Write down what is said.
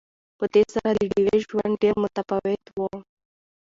په دې سره د ډیوې ژوند ډېر متفاوت وو